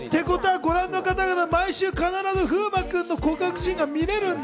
ご覧の方々、毎週、風磨君の告白シーンが見られるんだ？